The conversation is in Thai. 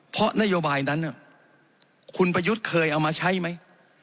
เพราะนโยบายนั้นคุณประยุทธ์เคยเอามาใช้ไหม